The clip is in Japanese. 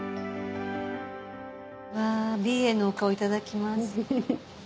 わぁ美瑛の丘をいただきます。